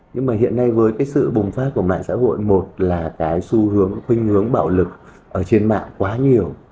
nhưng mà hiện nay với cái sự bùng phát của mạng xã hội một là cái xu hướng khuyên hướng bạo lực ở trên mạng quá nhiều